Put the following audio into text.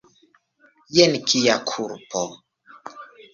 Jen kia kulpo!